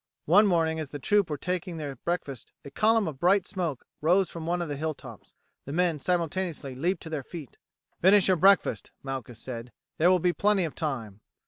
One morning as the troop were taking their breakfast a column of bright smoke rose from one of the hill tops. The men simultaneously leaped to their feet. "Finish your breakfast," Malchus said, "there will be plenty of time.